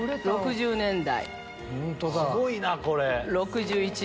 すごいなこれ。